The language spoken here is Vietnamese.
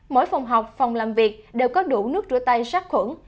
mỗi phòng học phòng làm việc đều có đủ nước rửa tay sát khuẩn